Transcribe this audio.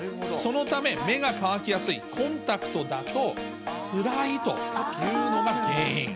そのため、目が乾きやすいコンタクトだと、つらいというのが原因。